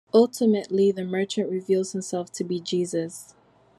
Ultimately the merchant reveals himself to be Jesus.